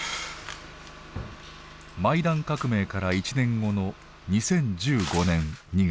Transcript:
マイダン革命から１年後の２０１５年２月。